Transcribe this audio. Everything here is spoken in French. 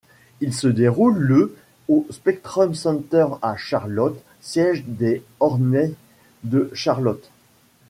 Il se déroule le au Spectrum Center à Charlotte, siège des Hornets de Charlotte.